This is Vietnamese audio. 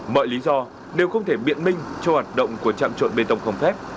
mọi lý do đều không thể biện minh cho hoạt động của trạm trộn bê tông không phép